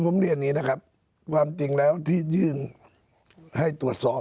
ผมเรียนนี้ความจริงแล้วที่ยื่นให้ตรวจสอบ